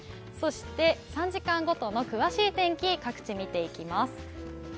３時間ごとの詳しい天気、各地見ていきます。